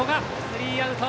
スリーアウト。